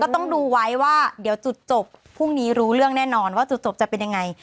ต้องดูไว้ว่าเดี๋ยวจุดจบพรุ่งนี้รู้เรื่องแน่นอนว่าจุดจบจะเป็นยังไง